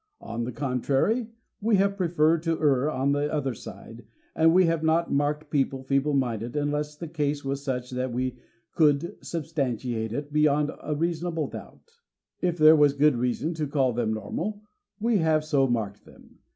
On the contrary, we have preferred to err on the other side, and we have not marked people feeble minded unless the case was such that we could substantiate it beyond a reasonable doubt. If there was good reason to call them normal, we have so marked them.